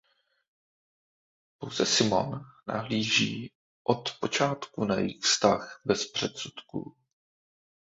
Pouze Simone nahlíží od počátku na jejich vztah bez předsudků.